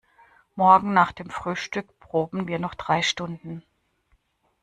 Morgen nach dem Frühstück proben wir noch drei Stunden.